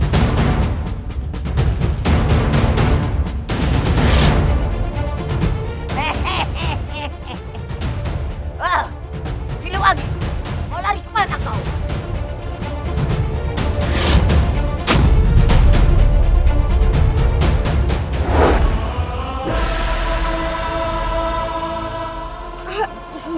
wah silu agih mau lari kemana kau